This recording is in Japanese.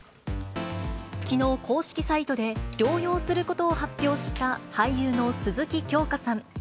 きのう、公式サイトで療養することを発表した俳優の鈴木京香さん。